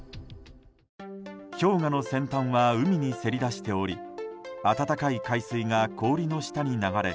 氷河の先端は海にせり出しており暖かい海水が氷の下に流れ